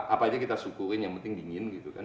apa aja kita sukuin yang penting dingin gitu kan